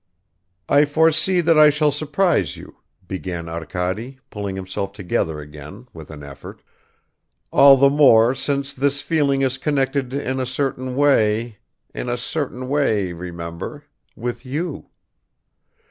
"I foresee that I shall surprise you," began Arkady, pulling himself together again with an effort; "all the more since this feeling is connected in a certain way in a certain way, remember with you.